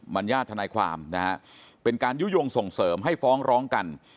ัญญาทนายความนะฮะเป็นการยุโยงส่งเสริมให้ฟ้องร้องกัน